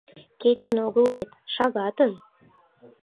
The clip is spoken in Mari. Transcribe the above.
Кечын огыл вет — шагатын.